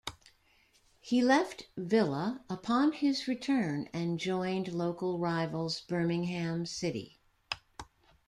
He left Villa upon his return and joined local rivals Birmingham City.